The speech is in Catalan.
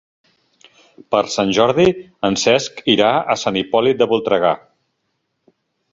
Per Sant Jordi en Cesc irà a Sant Hipòlit de Voltregà.